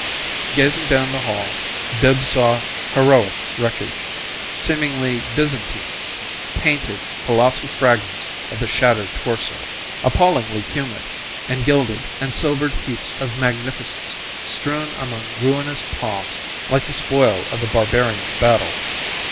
Gazing down the hall, Bibbs saw heroic wreckage, seemingly Byzantine painted colossal fragments of the shattered torso, appallingly human; and gilded and silvered heaps of magnificence strewn among ruinous palms like the spoil of a barbarians' battle.